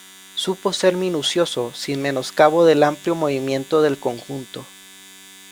Supo ser minucioso sin menoscabo del amplio movimiento del conjunto.